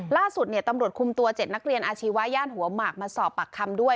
ล่าสุดตำรวจคุมตัว๗นักเรียนอาชีวะย่านหัวหมากมาสอบปากคำด้วย